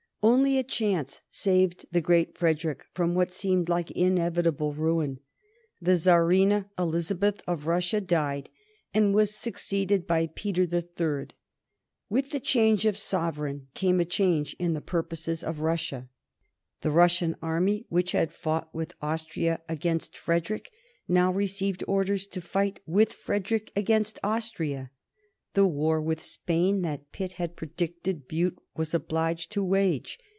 Only a chance saved the Great Frederick from what seemed like inevitable ruin. The Czarina, Elizabeth of Russia, died, and was succeeded by Peter the Third. With the change of sovereign came a change in the purposes of Russia. The Russian army, which had fought with Austria against Frederick, now received orders to fight with Frederick against Austria. The war with Spain that Pitt had predicted Bute was obliged to wage.